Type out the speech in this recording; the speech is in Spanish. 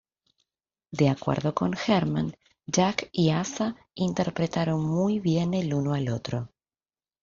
De acuerdo con Herman: "Jack y Asa interpretaron muy bien el uno al otro".